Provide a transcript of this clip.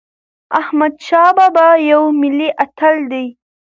احمدشاه بابا یو ملي اتل دی.